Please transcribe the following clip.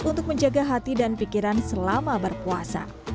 untuk menjaga hati dan pikiran selama berpuasa